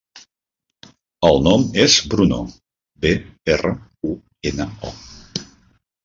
El nom és Bruno: be, erra, u, ena, o.